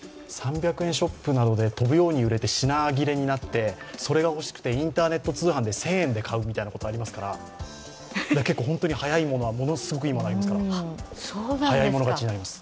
３００円ショップなどで飛ぶように売れて品切れになってそれが欲しくてインターネット通販で１０００円で買うみたいなことありますから本当に早いものはすごく上がりますから早い者勝ちになります。